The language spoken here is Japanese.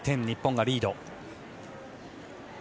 日本がリード。